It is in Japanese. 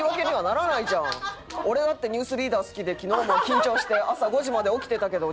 俺だって『ニュースリーダー』好きで昨日も緊張して朝５時まで起きてたけど。